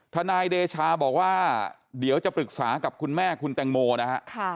ทนายเดชาบอกว่าเดี๋ยวจะปรึกษากับคุณแม่คุณแตงโมนะฮะ